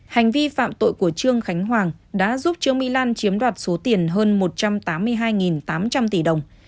hành vi phạm tội của trương khánh hoàng đã giúp trương mỹ lan chiếm đoạt số tiền hơn một trăm tám mươi hai tám trăm linh tỷ đồng